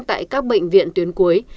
tại các bệnh viện tuyến cuối